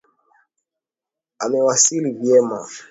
Amewasili vyema.